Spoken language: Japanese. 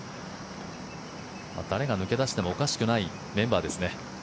誰が抜け出してもおかしくないメンバーですね。